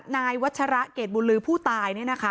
นายวัชระเกรดบุรือผู้ตายเนี่ยนะคะ